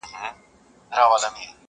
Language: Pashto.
سل توپکه به په یو کتاب سودا کړو,